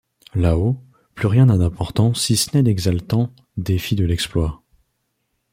Là-haut, plus rien n'a d'importance si ce n'est l'exaltant défi de l'exploit.